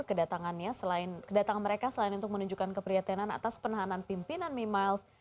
kedatangannya selain untuk menunjukkan keprihatinan atas penahanan pimpinan may miles